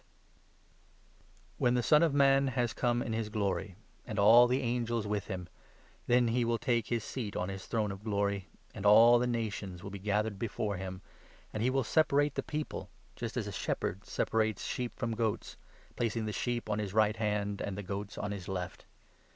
The Great When the Son of Man has come in his glory 31 judgement, and all the angels with him, then he ' will take his seat on his throne of glory '; and all the nations will be 32 gathered before him, and he will separate the people — just as a shepherd separates sheep from goats — placing the sheep on 33 his right hand, and the goats on his left.